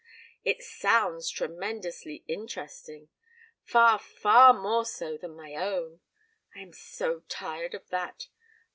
"It sounds tremendously interesting. Far, far more so than my own. I am so tired of that!